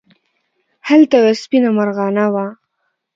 هلته یوه سپېنه مرغانه وه.